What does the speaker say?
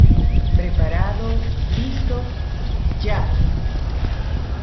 ¡ Preparado, listo... Ya!